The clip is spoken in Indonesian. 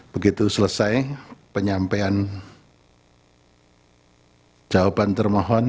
begitu selesai penyampaian jawaban termohon